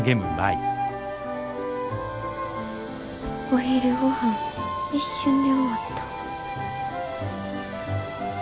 お昼ごはん一瞬で終わった。